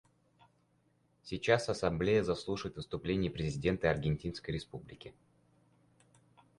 Сейчас Ассамблея заслушает выступление президента Аргентинской Республики.